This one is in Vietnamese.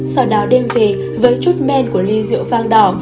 sau đó đêm về với chút men của ly rượu vang đỏ